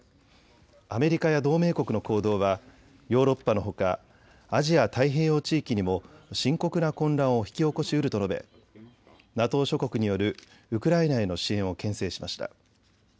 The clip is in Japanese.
アメリカや同盟国の行動はヨーロッパのほかアジア太平洋地域にも深刻な混乱を引き起こしうると述べ、ＮＡＴＯ諸国によるウクライナへの支援をけん制しました。